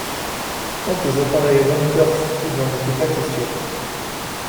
Quant aux appareils Ruhmkorff, il n’en était pas question.